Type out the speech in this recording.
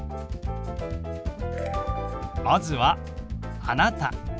まずは「あなた」。